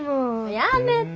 やめて。